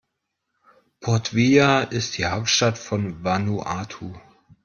Port Vila ist die Hauptstadt von Vanuatu.